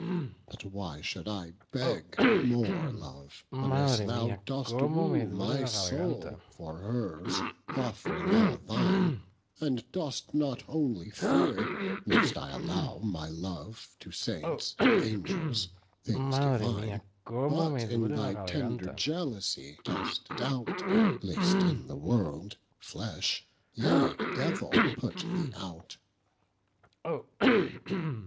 But why should I begg more Love, when as thou Dost wooe my soule for hers; offring all thine: And dost not only feare least I allow My Love to Saints and Angels things divine, But in thy tender jealousy dost doubt Least in the World. Fleshe, yea Devill put thee out.